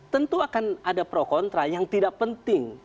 tentu akan ada pro kontra yang tidak penting